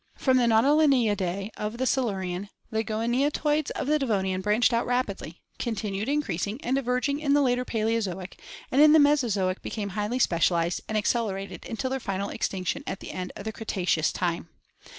From the Nautilinidae of the Silurian the goniatoids of the Devonian branched out rapidly, continued increasing and diverging in the later Paleozoic, and in the Mesozoic became highly specialized and accelerated until their final extinction at the end of Cretaceous time.